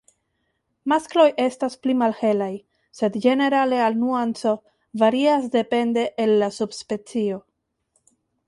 Maskloj estas pli malhelaj, sed ĝenerale al nuanco varias depende el la subspecio.